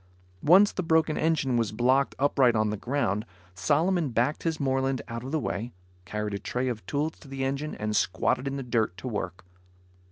Once the broken engine was blocked upright on the ground, Solomon backed his Moreland out of the way, carried a tray of tools to the engine and squatted in the dirt to work.